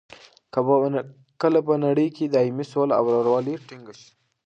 کله به په نړۍ کې دایمي سوله او رورولي ټینګه شي؟